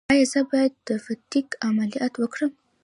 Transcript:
ایا زه باید د فتق عملیات وکړم؟